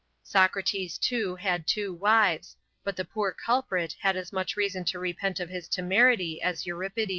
Socrates too had two wives, but the poor culprit had as much reason to repent of his temerity as Euripides.